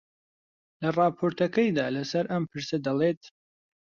لە ڕاپۆرتەکەیدا لەسەر ئەم پرسە دەڵێت: